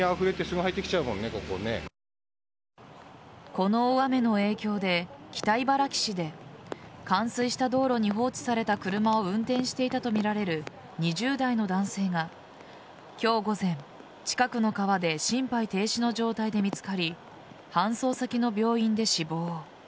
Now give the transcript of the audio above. この大雨の影響で北茨城市で冠水した道路に放置された車を運転していたとみられる２０代の男性が今日午前、近くの川で心肺停止の状態で見つかり搬送先の病院で死亡。